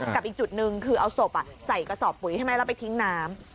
กับอีกจุดหนึ่งคือเอาศพใส่กระสอบปุ๋ยใช่ไหมแล้วไปทิ้งน้ำ